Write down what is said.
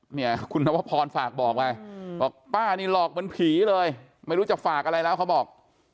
เนี่ยคุณนวพรฝากบอกไปบอกป้านี่หลอกเหมือนผีเลยไม่รู้จะฝากอะไรแล้วเขาบอก